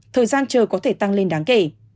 thời gian chờ có thể tăng lên đáng kể